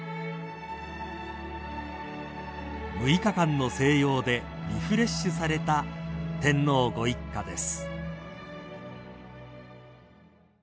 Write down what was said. ［６日間の静養でリフレッシュされた天皇ご一家です］